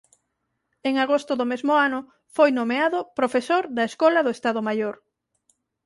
En agosto do mesmo ano foi nomeado profesor da Escola do Estado Maior.